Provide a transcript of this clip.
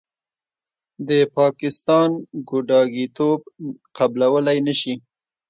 د پاکستان ګوډاګیتوب قبلولې نشي.